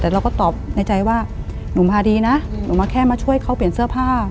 แต่เราก็ตอบในใจว่าหนูมาดีนะหนูมาแค่มาช่วยเขาเปลี่ยนเสื้อผ้า